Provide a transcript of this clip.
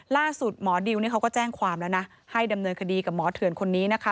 ล่าสุดหมอดิวนี่เขาก็แจ้งความแล้วนะให้ดำเนินคดีกับหมอเถื่อนคนนี้นะคะ